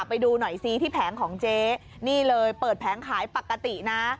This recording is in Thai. ไปดูหน่อยซิที่แผงของเจ๊นี่เลยเปิดแผงขายปกตินะ